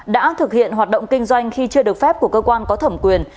đã thực hiện hoạt động kinh doanh khi chưa được phép của cơ quan có thẩm quyền